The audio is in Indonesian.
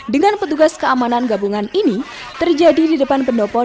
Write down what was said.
dengan petugas keamanan gabungan ini terjadi di depan pendopo